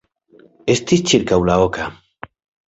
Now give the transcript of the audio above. Estis ĉirkaŭ la oka.